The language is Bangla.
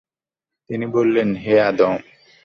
তিনি বললেন, হে আদম!